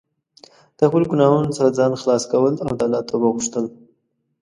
د خپلو ګناهونو څخه ځان خلاص کول او د الله توبه غوښتل.